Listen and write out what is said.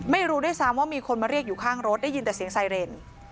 ไม่รู้ด้วยซ้ำว่ามีคนมาเรียกอยู่ข้างรถได้ยินแต่เสียงไซเรน